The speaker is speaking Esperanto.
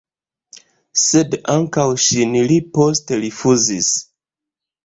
Sed ankaŭ ŝin li poste rifuzis.